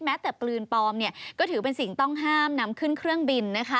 แต่ปืนปลอมก็ถือเป็นสิ่งต้องห้ามนำขึ้นเครื่องบิน